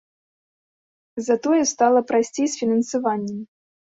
Затое стала прасцей з фінансаваннем.